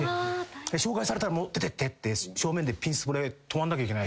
紹介されたら出てって正面でピンスポで止まんなきゃいけない。